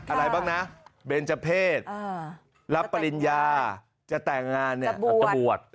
อะไรบ้างนะเบนจะเพศรับปริญญาจะแต่งงานเนี่ย